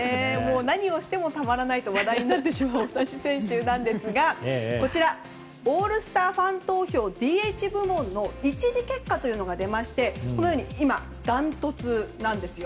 何をしてもたまらないと話題になる大谷選手ですがこちら、オールスターファン投票ＤＨ部門の１次結果というのが出ましてダントツなんですよ。